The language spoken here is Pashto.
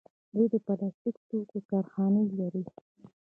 دوی د پلاستیکي توکو کارخانې لري.